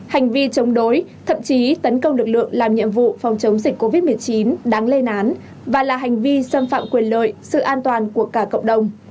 hành vi chống đối thậm chí tấn công lực lượng làm nhiệm vụ phòng chống dịch covid một mươi chín đáng lên án và là hành vi xâm phạm quyền lợi sự an toàn của cả cộng đồng